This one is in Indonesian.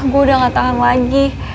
gue udah gak tahan lagi